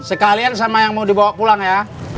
sekalian sama yang mau dibawa pulang ya